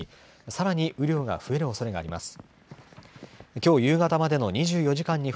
さらに雨量が増えるおそれがあります。